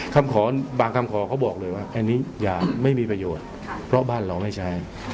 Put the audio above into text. คำขอบางคำขอเขาบอกเลยว่าอันนี้อย่าไม่มีประโยชน์เพราะบ้านเราไม่ใช้